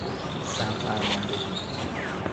سرفرماندهی